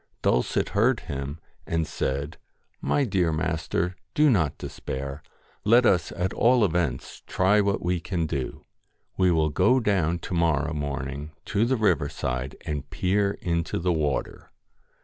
Dulcet heard him, and said ' My dear master, do not despair. Let us at all events try what we can do. We will go down to morrow morning to the river side and peer into the water.'